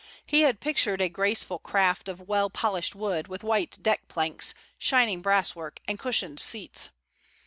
He had pictured a graceful craft of well polished wood, with white deck planks, shining brasswork and cushioned seats.